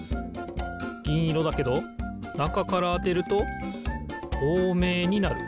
ぎんいろだけどなかからあてるととうめいになる。